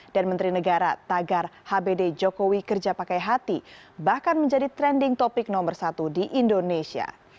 dan menteri negara tagar hbd jokowi kerja pakai hati bahkan menjadi trending topik nomor satu di indonesia